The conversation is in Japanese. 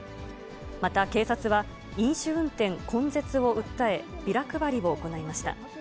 また、警察は、飲酒運転根絶を訴え、ビラ配りを行いました。